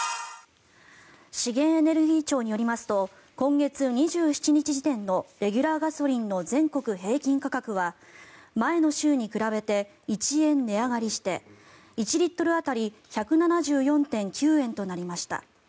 資源エネルギー庁によりますと、今月２７日時点のレギュラーガソリンの全国平均価格は前の週に比べて１円値上がりして１リットル当たり１７４．９円となりました。